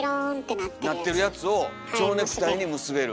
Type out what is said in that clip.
なってるやつをちょうネクタイに結べる。